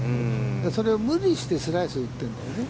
それを無理してスライス打ってんだよね。